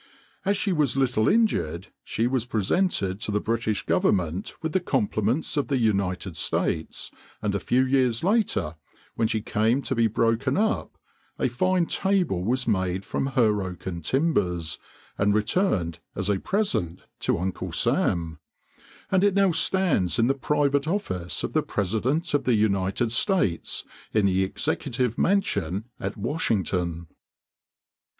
As she was little injured, she was presented to the British government with the compliments of the United States, and a few years later, when she came to be broken up, a fine table was made from her oaken timbers, and returned as a present to Uncle Sam; and it now stands in the private office of the President of the United States in the Executive Mansion at Washington.